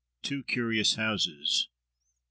TWO CURIOUS HOUSES II.